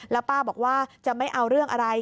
แล้วป้าบอกว่าจะไม่เอาเรื่องอะไร